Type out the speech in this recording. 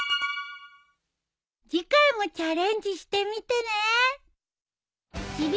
次回もチャレンジしてみてね。